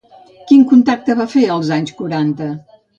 Quin contacte va fer als anys quaranta?